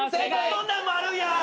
そんなんもあるんや！